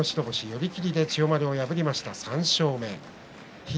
寄り切りで千代丸を破りました。